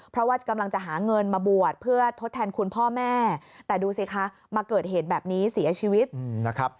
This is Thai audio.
เพราะว่ากำลังจะหาเงินมาบวชเพื่อทดแทนคุณพ่อแม่แต่ดูสิคะมาเกิดเหตุแบบนี้เสียชีวิตนะครับ